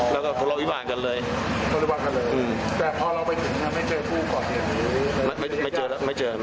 ๔โมงชิบนึง